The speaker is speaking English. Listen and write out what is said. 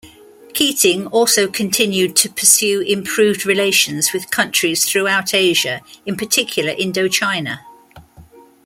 Keating also continued to pursue improved relations with countries throughout Asia, in particular Indo-China.